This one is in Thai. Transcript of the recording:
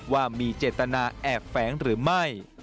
ว่ามีเจตนาแอบแฝงหรือไม่